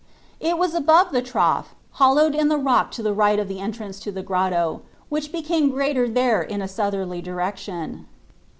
It was above the trough, hollowed in the rock to the right of the entrance to the grotto, which became larger there in a southerly direction.